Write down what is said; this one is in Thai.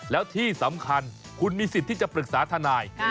แล้วที่สำคัญคุณมีสิทธิ์ที่จะปรึกษาทนาย